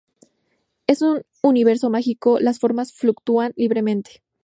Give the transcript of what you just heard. En su universo mágico las formas fluctúan libremente.